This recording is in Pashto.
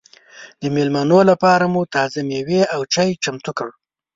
د مېلمنو لپاره مو تازه مېوې او چای چمتو کړل.